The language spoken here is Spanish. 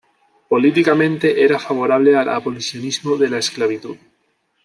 Políticamente era favorable al abolicionismo de la esclavitud.